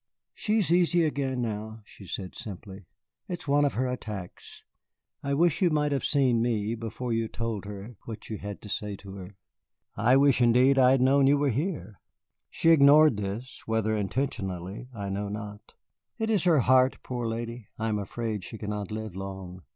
"She is easy again, now," she said simply. "It is one of her attacks. I wish you might have seen me before you told her what you had to say to her." "I wish indeed that I had known you were here." She ignored this, whether intentionally, I know not. "It is her heart, poor lady! I am afraid she cannot live long."